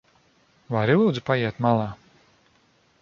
Vari lūdzu paiet malā?